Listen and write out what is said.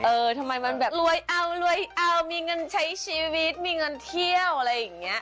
เออทำไมมันแบบรวยเอารวยเอามีเงินใช้ชีวิตมีเงินเที่ยวอะไรอย่างนี้